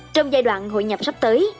trong giai đoạn hội nhập sắp tới